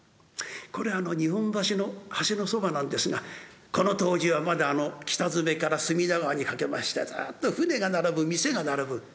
これは日本橋の橋のそばなんですがこの当時はまだ北詰から隅田川にかけましてずっと船が並ぶ店が並ぶ。